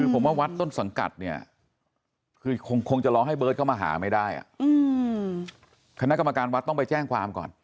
คือผมว่าวัดต้นสังกัดเนี่ยคือคงจะรอให้เบิร์ตเข้ามาหาไม่ได้คณะกรรมการวัดต้องไปแจ้งความก่อน